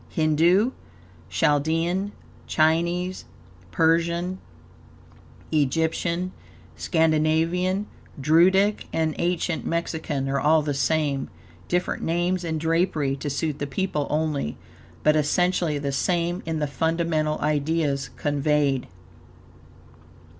Hindoo, Chaldean, Chinese, Persian, Egyptian, Scandinavian, Druidic and ancient Mexican are all the same different names and drapery, to suit the people only, but essentially the same in the fundamental ideas conveyed.